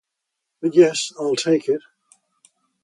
But yes I'll take it.